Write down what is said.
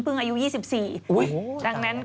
พึงอายุ๒๔